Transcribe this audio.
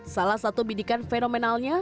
salah satu bidikan fenomenalnya